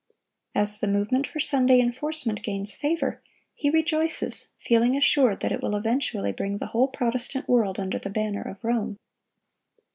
As the movement for Sunday enforcement gains favor, he rejoices, feeling assured that it will eventually bring the whole Protestant world under the banner of Rome.